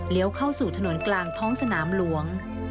เข้าสู่ถนนกลางท้องสนามหลวง